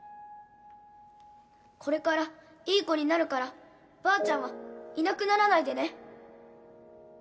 これからいい子になるからばあちゃんはいなくならないでね！